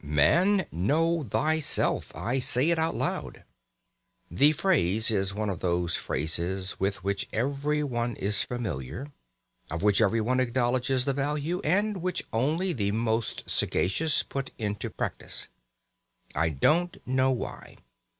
Man, know thyself. I say it out loud. The phrase is one of those phrases with which everyone is familiar, of which everyone acknowledges the value, and which only the most sagacious put into practice. I don't know why.